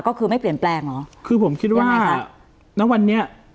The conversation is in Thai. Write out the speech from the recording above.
ก็คือไม่เปลี่ยนแปลงเหรอคือผมคิดว่าไงฮะณวันนี้